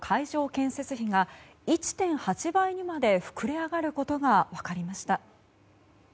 建設費が１．８倍にまで膨れ上がることが分かりました。